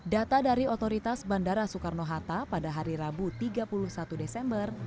data dari otoritas bandara soekarno hatta pada hari rabu tiga puluh satu desember